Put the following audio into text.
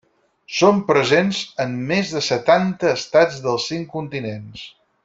Són presents en més de setanta estats dels cinc continents.